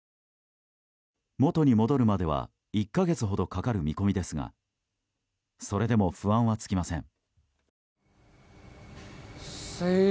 元に戻るまでは１か月ほどかかる見込みですがそれでも不安は尽きません。